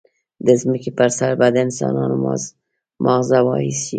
د ځمکې پر سر به د انسانانو ماغزه وایشي.